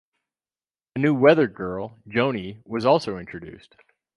A new weather girl, Joni, was also introduced.